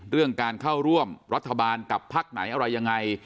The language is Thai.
เรื่องการเข้าร่วมรัฐบาลกับพักไหนอะไรยังไง